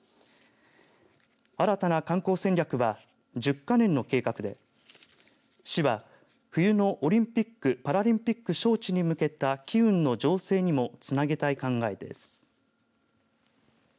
新たな観光戦略は１０か年の計画で市は、冬のオリンピック・パラリンピック招致に向けた機運の醸成にもつなげたい考えです。